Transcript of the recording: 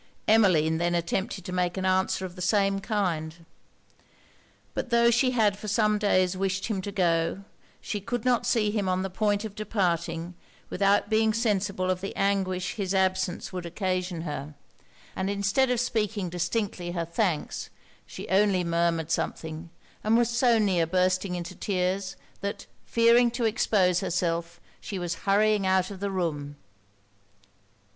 Emmeline then attempted to make an answer of the same kind. But tho' she had for some days wished him to go, she could not see him on the point of departing without being sensible of the anguish his absence would occasion her; and instead of speaking distinctly her thanks, she only murmured something, and was so near bursting into tears, that fearing to expose herself, she was hurrying out of the room.